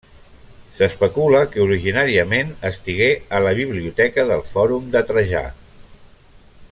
S'especula que originàriament estigué a la Biblioteca del Fòrum de Trajà.